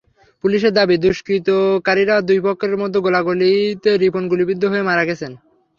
পুলিশের দাবি, দুষ্কৃতকারীদের দুই পক্ষের মধ্যে গোলাগুলিতে রিপন গুলিবিদ্ধ হয়ে মারা গেছেন।